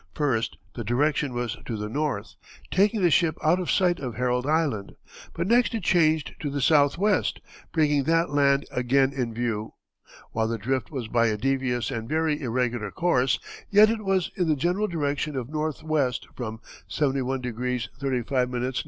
First, the direction was to the north, taking the ship out of sight of Herald Island, but next it changed to the southwest, bringing that land again in view. While the drift was by a devious and very irregular course, yet it was in the general direction of northwest, from 71° 35´ N.